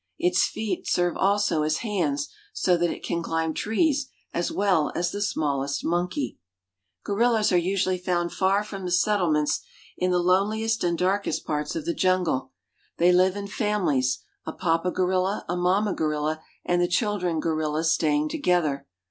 Its feet serve also as hands, } that it can climb trees as well as the smallest monkey. ^ I 4 4 ^^m 220 AFRICA ^VPH^^^^^^I ^^H Gorillas are usually found far from the settlements, in ^^H the loneliest and darkest parts of the jungle. They live in ^^H famihes; a papa gorilla, a mamma gorilla, and the chil ^^1 dren gorillas staying together.